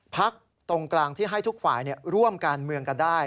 พักตรงกลางที่ให้ทุกฝ่ายร่วมการเมืองกันได้